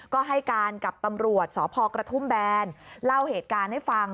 ก็ให้การกับตำรวจสพกระทุ่มแบนเล่าเหตุการณ์ให้ฟัง